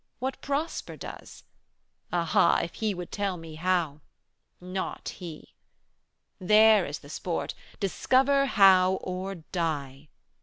What Prosper does? Aha, if He would tell me how! Not He! There is the sport: discover how or die!